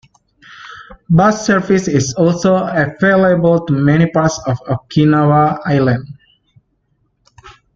Bus service is also available to many parts of Okinawa Island.